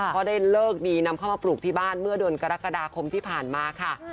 ก็ได้เลิกดีนำเข้ามาปลูกที่บ้านเมื่อเดือนกรกฎาคมที่ผ่านมาค่ะ